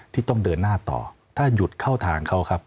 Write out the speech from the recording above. ที่ต้องเดินหน้าต่อถ้าหยุดเข้าทางเขาครับ